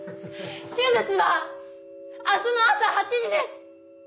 手術は明日の朝８時です！